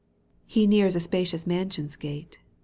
He nears a spacious mansion's gate.